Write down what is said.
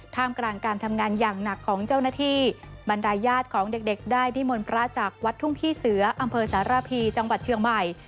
กลางการทำงานอย่างหนักของเจ้าหน้าที่บรรดายญาติของเด็กได้นิมนต์พระจากวัดทุ่งพี่เสืออำเภอสารพีจังหวัดเชียงใหม่